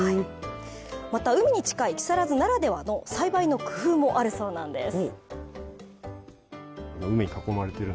また、海に近い木更津ならではの栽培の工夫もあるそうなんです。